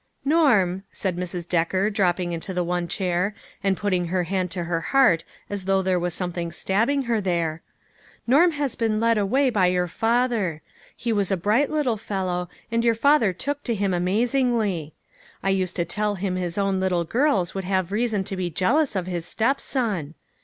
" Norm," said Mrs. Decker, dropping into the one chair, and putting her hand to her heart as though there was something stabbing her there, " Norm has been led away by your father. He was a bright little fellow, and your father took to him amazingly. I used to tell him his own little girls would have reason to be jealous of his step son.